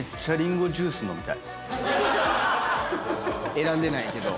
選んでないけど。